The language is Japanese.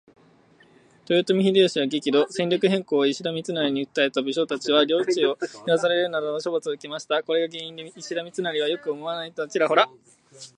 豊臣秀吉は激怒。戦略変更を石田三成に訴えた武将達は領地を減らされるなどの処罰を受けました。これが原因で石田三成を良く思わない人たちもちらほら。